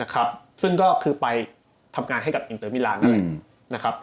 นะครับซึ่งก็คือไปทำงานให้กับอินเตอร์มิลานด้วยนะครับ